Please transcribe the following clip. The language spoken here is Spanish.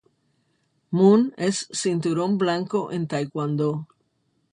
Munn es cinturón blanco en taekwondo.